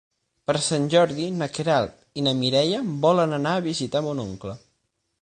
Per Sant Jordi na Queralt i na Mireia volen anar a visitar mon oncle.